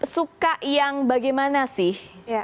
suka yang bagaimana sih